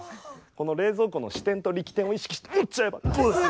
この冷蔵庫の支点と力点を意識して持っちゃえばこうですね。